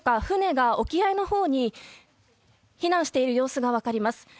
船が沖合のほうに避難している様子が分かります。